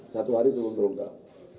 satu hari belum terungkap